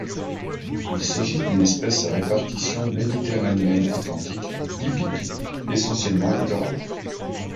Il s'agit d'une espèce à répartition méditerranéenne-atlantique typique, essentiellement littorale.